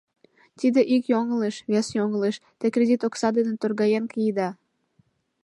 Тиде ик йоҥылыш, вес йоҥылыш — те кредит окса дене торгаен киеда.